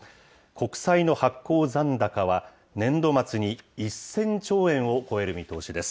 国債の発行残高は、年度末に１０００兆円を超える見通しです。